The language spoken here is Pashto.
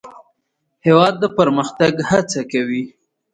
هېواد د پرمختګ هڅه کوي.